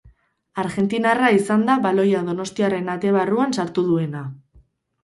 Argentinarra izan da baloia donostiarren ate barruan sartu duena.